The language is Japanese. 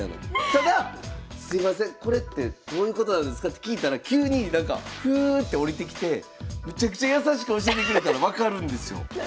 ただ「すいませんこれってどういうことなんですか？」って聞いたら急にふって降りてきてめちゃくちゃ優しく教えてくれたら分かるんですよ。